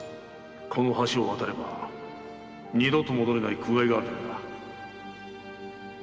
〔この橋を渡れば二度と戻れない苦界があるだけだ〕